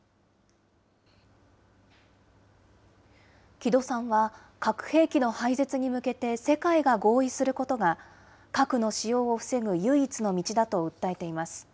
木戸さんは、核兵器の廃絶に向けて世界が合意することが、核の使用を防ぐ唯一の道だと訴えています。